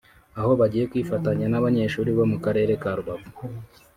aho bagiye kwifatanya n’abanyeshuri bo mu karere ka Rubavu